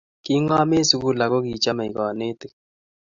kingom eng sukul ako kichamei kanetik